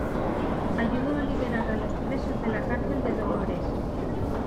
Ayudó a liberar a los presos de la cárcel de Dolores.